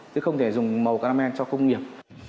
thì không thể dùng màu caramel cho công nghiệp